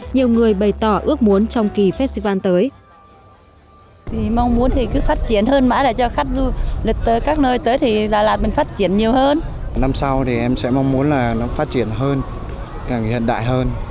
nhiều người bày tỏ ước muốn trong kỳ phép di văn tới